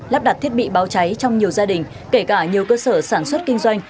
lắp đặt thiết bị báo cháy trong nhiều gia đình kể cả nhiều cơ sở sản xuất kinh doanh